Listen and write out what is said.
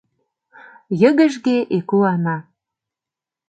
«Йыгыжге Ику Ана».